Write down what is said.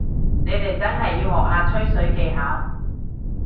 你哋真係要學下吹水技巧